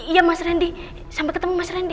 iya mas rendy sampai ketemu mas rendy